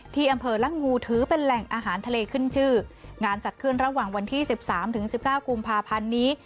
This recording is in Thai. ที่อำเภอละงูถือเป็นแหล่งอาหารทะเลขึ้นชื่องานจัดขึ้นระหว่างวันที่สิบสามถึงสิบเก้ากุมภาพันธ์นี้